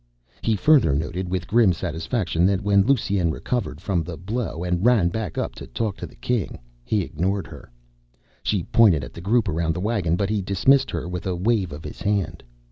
He further noted with grim satisfaction that when Lusine recovered from the blow and ran back up to talk to the King, he ignored her. She pointed at the group around the wagon but he dismissed her with a wave of his hand.